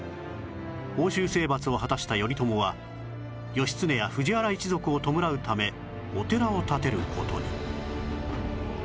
奥州征伐を果たした頼朝は義経や藤原一族を弔うためお寺を建てる事に